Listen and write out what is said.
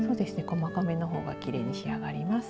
細かめのほうがきれいに仕上がります。